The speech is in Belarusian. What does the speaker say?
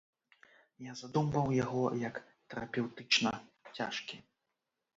Я задумваў яго як тэрапеўтычна цяжкі.